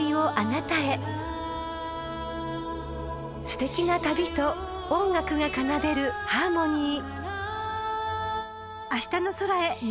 ［すてきな旅と音楽が奏でるハーモニー］